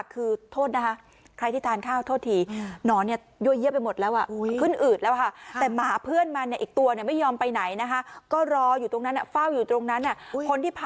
ขอโทษนะคะใครที่ทานข้าวโทษทีหนอนนี่ยั่วเยี้ยวไปหมดแล้วค่ะขึ้นอืดแล้วค่ะแต่หมาเพื่อนมาเนี่ยอีกตัวเนี่ยไม่อยอมไปไหนนะคะ